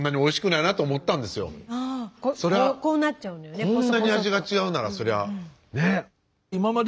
こんなに味が違うならそりゃね？